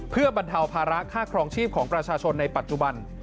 เพื่อบรรเทาภาระค่าครองชีพของประชาชนในปัจจุบัน